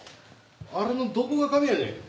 あれのどこが神やねん。